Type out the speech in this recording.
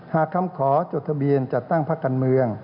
หากคำขอจดทะเบียนจัดตั้งพักการเมือง